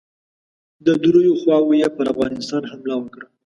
د دریو خواوو یې پر افغانستان حمله وکړه.